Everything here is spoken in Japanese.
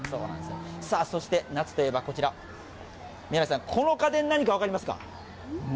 さあ、そして夏といえばこちら、宮根さん、この家電、何か分かりますか？